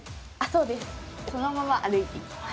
そのまま歩いていきます。